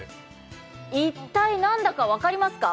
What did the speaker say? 一体何だか分かりますか？